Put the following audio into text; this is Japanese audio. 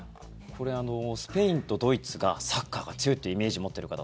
スペインとドイツがサッカーが強いというイメージ持っている方